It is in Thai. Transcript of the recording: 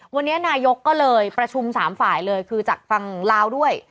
วันนี้นายกก็เลยประชุม๓ฝ่ายเลยคือจากฝั่งลาวด้วย